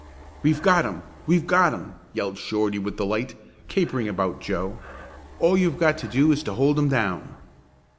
"We've got 'em! We've got 'em!" yelled Shorty with delight, capering about Joe. "All you've got to do is to hold 'em down!"